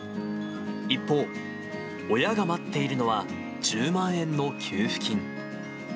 一方、親が待っているのは１０万円の給付金。